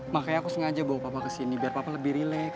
makanya aku sengaja bawa papa ke sini biar papa lebih relax